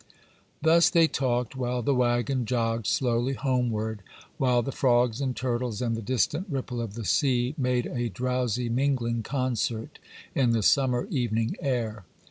Thus they talked while the waggon jogged slowly homeward, while the frogs and turtles and the distant ripple of the sea made a drowsy mingling concert in the summer evening air.